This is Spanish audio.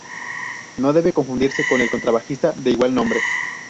No debe confundirse con el contrabajista de igual nombre.